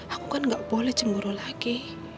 aku kan gak boleh cemburu lagi